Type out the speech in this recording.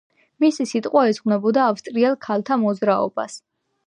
მისი სიტყვა ეძღვნებოდა ავსტრიელ ქალთა მოძრაობას.